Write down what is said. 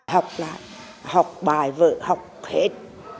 học lại học bài vợ học hết